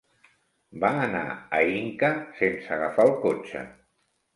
Va anar a Inca sense agafar el cotxe.